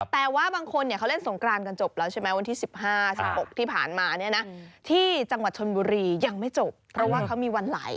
แต่ว่าบางคนเขาเล่นสงกรานกันจบแล้วใช่ไหมวันที่๑๕๑๖ที่ผ่านมาเนี่ยนะที่จังหวัดชนบุรียังไม่จบเพราะว่าเขามีวันไหล